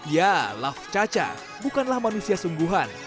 ya laf caca bukanlah manusia sungguhan